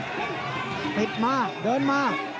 ติดมาเดินมา